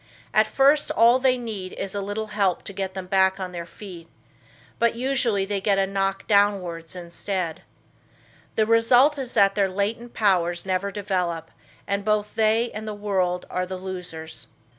At first all they need is a little help to get them back on their feet, but usually they get a knock downwards instead. The result is that their latent powers never develop and both they and the world are the losers.